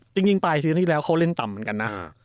จริงปลายซีนที่แล้วเขาเล่นต่ำเหมือนกันนะ